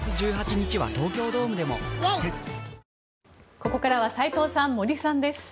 ここからは斎藤さん、森さんです。